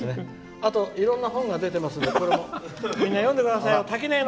あといろんな本が出ていますのでみんな読んでください。